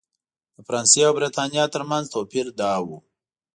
د فرانسې او برېټانیا ترمنځ توپیر دا و.